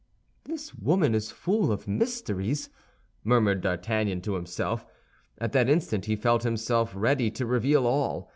"This woman is full of mysteries," murmured D'Artagnan to himself. At that instant he felt himself ready to reveal all.